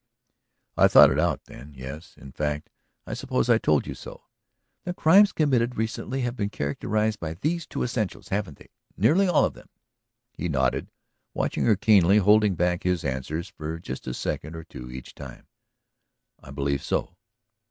"I thought it out then; yes. In fact, I suppose I told you so." "The crimes committed recently have been characterized by these two essentials, haven't they? Nearly all of them?" He nodded, watching her keenly, holding back his answers for just a second or two each time. "I believe so."